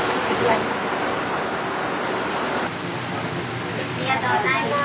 ありがとうございます。